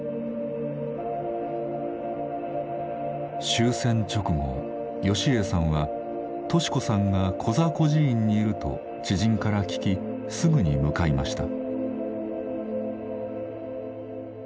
終戦直後芳英さんは敏子さんがコザ孤児院にいると知人から聞きすぐに向かいました。